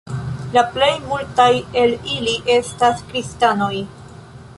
La plej multaj el ili estas kristanoj.